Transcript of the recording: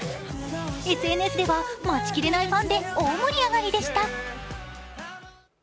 ＳＮＳでは待ちきれないファンで大盛り上がりでした。